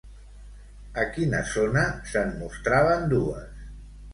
A quina zona se'n mostraven dues?